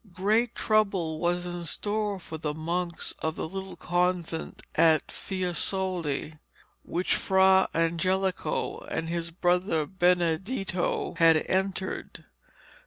Great trouble was in store for the monks of the little convent at Fiesole, which Fra Angelico and his brother Benedetto had entered.